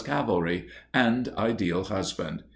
cavalry, and ideal husband.